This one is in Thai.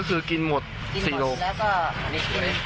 ก็คือกินหมด๔โลกิโลก็ได้ตังค์ไป